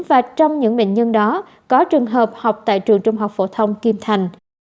và trong những bệnh nhân đó có trường hợp học tại trường trung học phổ thông kim thành